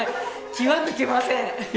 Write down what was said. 気は抜けません。